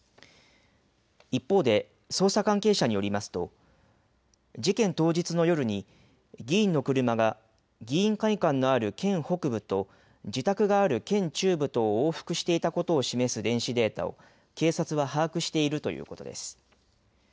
一方で捜査関係者によりますと事件当日の夜に議員の車が議員会館のある県北部と自宅がある県中部とを往復していたことを示す電子データを警察は把握しているということです。